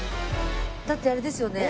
だってあれですよね